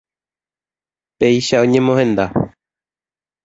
Péicha oñemohenda.